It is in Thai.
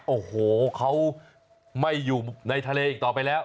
โอ้โหเขาไม่อยู่ในทะเลอีกต่อไปแล้ว